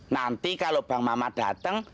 nanti kalau bang mamat dateng